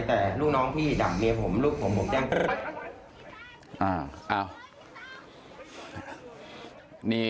แต่ลูกน้องพี่ดักเมียผมลูกผมผมแจ้งปุ๊บ